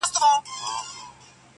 o په خوله ﻻاله الاالله، په زړه غلا٫